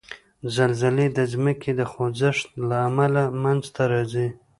زلزلې د ځمکې د خوځښت له امله منځته راځي.